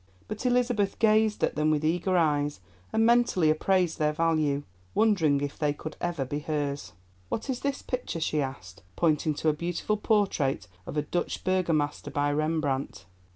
But Elizabeth gazed at them with eager eyes and mentally appraised their value, wondering if they would ever be hers. "What is this picture?" she asked, pointing to a beautiful portrait of a Dutch Burgomaster by Rembrandt.